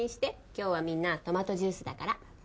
今日はみんなトマトジュースだから。